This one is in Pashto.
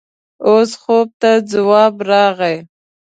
اوس خوب ته ځواب راغی.